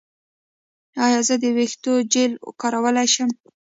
ایا زه د ویښتو جیل کارولی شم؟